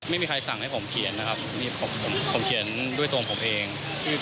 ไม่มีใครสั่งให้ผมเขียนนะครับผมเขียนด้วยตัวผมเอง